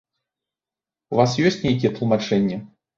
У вас ёсць нейкія тлумачэнні?